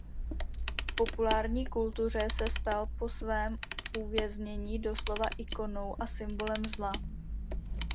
V populární kultuře se stal po svém uvěznění doslova ikonou a symbolem zla.